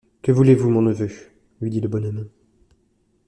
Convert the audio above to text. Que voulez-vous, mon neveu? lui dit le bonhomme.